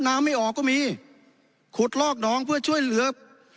น้ำไม่ออกก็มีขุดลอกหนองเพื่อช่วยเหลือ